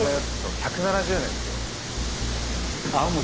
１７０年ですよ。